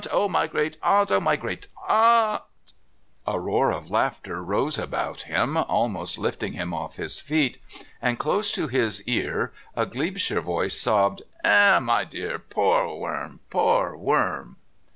Oh, my great aunt! Oh, my great aunt!" A roar of laughter rose about him, almost lifting him off his feet, and close to his car a Glebeshire voice sobbed: "Eh, my dear. Poor worm! Poor worm!"